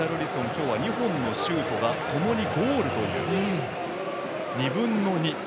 今日は２本のシュートが共にゴールという２分の２。